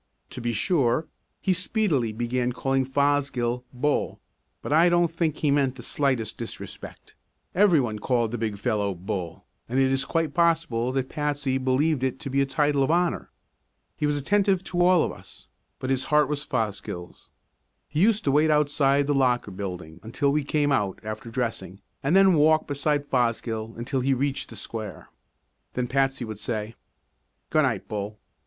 To be sure, he speedily began calling Fosgill "Bull," but I don't think he meant the slightest disrespect; everyone called the big fellow "Bull," and it is quite possible that Patsy believed it to be a title of honor. He was attentive to all of us, but his heart was Fosgill's. He used to wait outside the Locker Building until we came out after dressing and then walk beside Fosgill until he reached the Square. Then Patsy would say: "Good night, Bull."